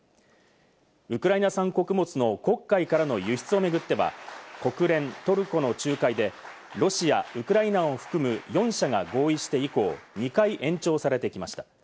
ウクライナ産穀物の黒海からの輸出を巡っては、国連、トルコの仲介でロシア、ウクライナを含む４者が合意して以降、２回延長されてきました。